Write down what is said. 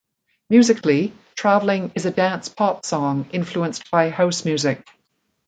Musically, "Traveling" is a dance-pop song, influenced by house music.